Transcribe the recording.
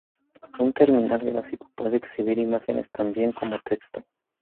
Un terminal gráfico puede exhibir imágenes tan bien como texto.